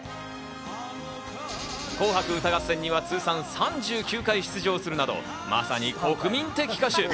『紅白歌合戦』には通算３９回出場するなど、まさに国民的歌手。